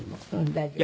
大丈夫。